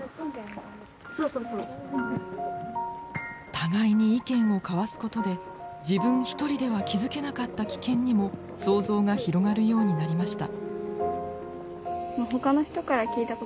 互いに意見を交わすことで自分一人では気付けなかった危険にも想像が広がるようになりました。